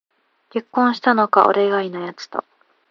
結婚したのか、俺以外のやつと